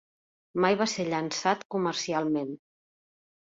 Mai va ser llançat comercialment.